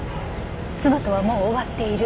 「妻とはもう終わっている。